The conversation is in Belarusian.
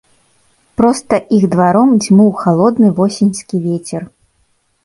Проста іх дваром дзьмуў халодны восеньскі вецер.